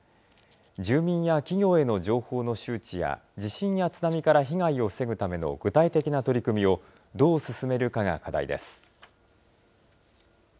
住民や企業への情報の周知や、地震や津波から被害を防ぐための具体的な取り組みをどう進めるかが課題です。